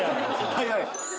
早い。